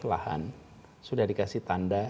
lahan sudah dikasih tanda